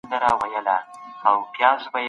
بډای مالکان له خلګو څنګه ګټه اخلي؟